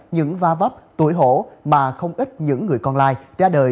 những va vấp tuổi hổ mà không ít những người còn lại ra đời